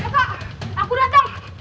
pak aku datang